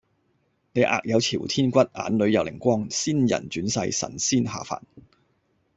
你額有朝天骨，眼裡有靈光，仙人轉世，神仙下凡